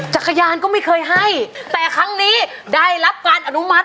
จักรยานก็ไม่เคยให้แต่ครั้งนี้ได้รับการอนุมัติ